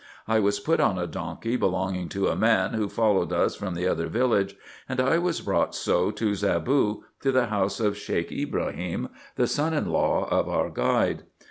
I was put on a donkey belonging to a man who followed us from the other village, and I was brought so to Zaboo, to the house of Sheik Ibrahim, the son in law of our guide.